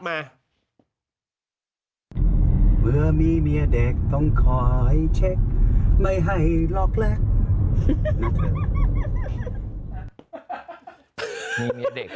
เมื่อมีเมียเด็กต้องคอยเช็คไม่ให้ล็อกแลก